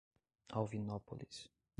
Alvinópolis